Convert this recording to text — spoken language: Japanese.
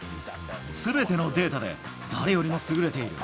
すべてのデータで、誰よりも優れている。